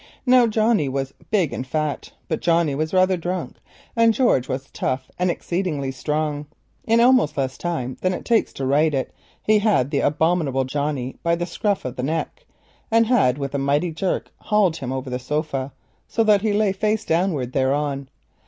Now Johnnie was big and fat, but Johnnie was rather drunk, and George was tough and exceedingly strong. In almost less time than it takes to write it he grasped the abominable Johnnie by the scruff of the neck and had with a mighty jerk hauled him over the sofa so that he lay face downwards thereon.